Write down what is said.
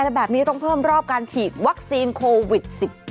และแบบนี้ต้องเพิ่มรอบการฉีดวัคซีนโควิด๑๙